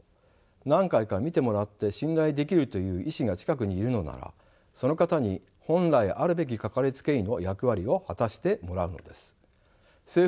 何回か診てもらって信頼できるという医師が近くにいるのならその方に本来あるべきかかりつけ医の役割を果たしてもらうのです。